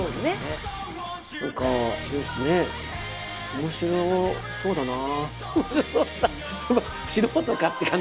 面白そうだなあ。